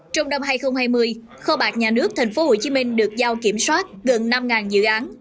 trong năm hai nghìn hai mươi kho bạc nhà nước tp hcm được giao kiểm soát gần năm dự án